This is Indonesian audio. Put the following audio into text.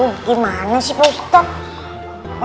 gimana sih pak ustadz